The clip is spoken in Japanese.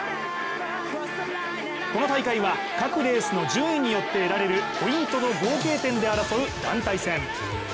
この大会は各レースの順位によって得られるポイントの合計点で争う団体戦。